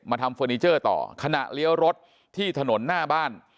ทำเฟอร์นิเจอร์ต่อขณะเลี้ยวรถที่ถนนหน้าบ้าน